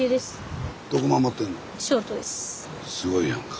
すごいやんか。